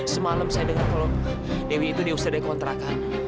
semalam saya dengar kalau dewi itu diusir dari kontrakan